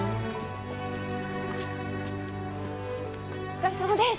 お疲れさまです！